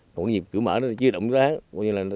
còn cái nhịp cửa mở đó là chưa động đoán